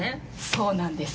そうなんです。